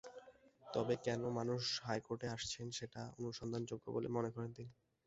তবে কেন মানুষ হাইকোর্টে আসছেন, সেটা অনুসন্ধানযোগ্য বলে মনে করেন তিনি।